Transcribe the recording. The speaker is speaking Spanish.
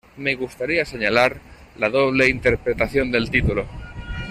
Me gustaría señalar la doble interpretación del título.